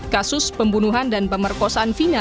kasus pembunuhan dan pemerkosaan vina